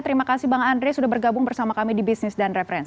terima kasih bang andre sudah bergabung bersama kami di bisnis dan referensi